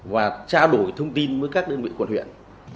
và tra đổi thông tin với các đơn vị quân huyện